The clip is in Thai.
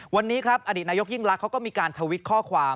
วันนี้ครับอดีตนายกยิ่งรักเขาก็มีการทวิตข้อความ